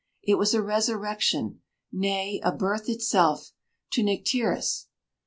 It was a resurrection nay, a birth itself to Nycteris.